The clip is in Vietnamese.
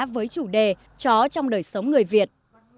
với chủ đề chó trong đời sống người việt